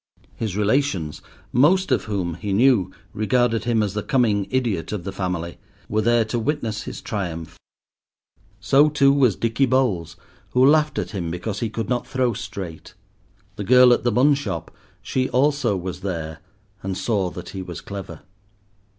His relations, most of whom, he knew, regarded him as the coming idiot of the family, were there to witness his triumph; so too was Dickey Bowles, who laughed at him because he could not throw straight. The girl at the bun shop, she also was there, and saw that he was clever.